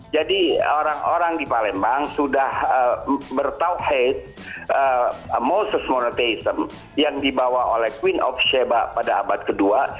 jadi orang orang di palembang sudah bertauhid moses monotheism yang dibawa oleh queen of sheba pada abad kedua